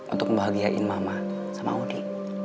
untuk membahagiain mama sama udi